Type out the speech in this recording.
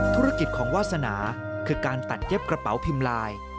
ธุรกิจของวาสนาคือการตัดเย็บกระเป๋าพิมพ์ลาย